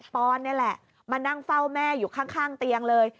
อนนี่แหละมานั่งเฝ้าแม่อยู่ข้างเตียงเลย